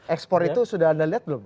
ekspor itu sudah anda lihat belum